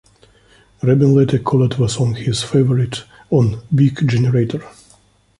Rabin later called the song his favourite on "Big Generator".